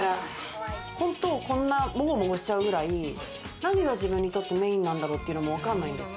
本当こんなモゴモゴしちゃうぐらい、何が自分にとってメインなんだろうというのもわからないんです。